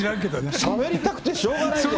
しゃべりたくてしょうがない。